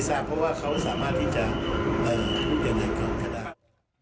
ไม่ทราบเพราะว่าเขาสามารถที่จะพูดอย่างไรก็ได้